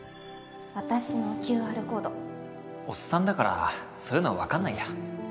私のＱＲコードおっさんだからそういうの分かんないや